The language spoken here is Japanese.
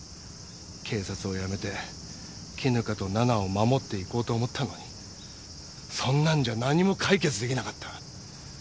警察を辞めて絹香と奈々を守っていこうと思ったのにそんなんじゃ何も解決出来なかった。